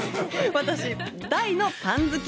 私、大のパン好き！